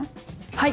はい。